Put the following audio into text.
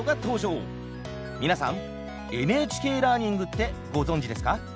皆さん「ＮＨＫラーニング」ってご存じですか？